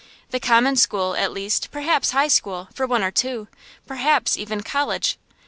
The common school, at least, perhaps high school; for one or two, perhaps even college!